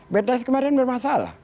bts kemarin bermasalah